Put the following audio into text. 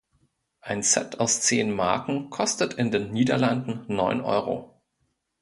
Ein Set aus zehn Marken kostet in den Niederlanden neun Euro.